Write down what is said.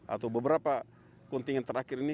atau beberapa kontingen terakhir ini